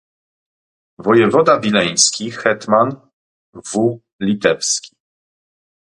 "wojewoda Wileński, hetman w. litewski."